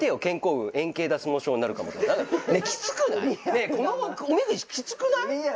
ねぇこのおみくじキツくない？